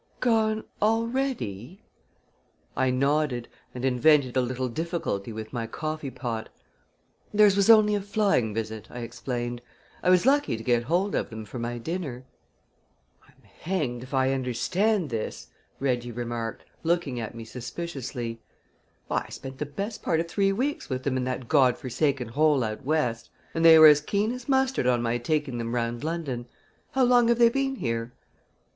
"Gone already?" I nodded and invented a little difficulty with my coffee pot. "Theirs was only a flying visit," I explained. "I was lucky to get hold of them for my dinner." "I'm hanged if I understand this!" Reggie remarked, looking at me suspiciously. "Why, I spent the best part of three weeks with them in that Godforsaken hole out West, and they were as keen as mustard on my taking them round London. How long have they been here?"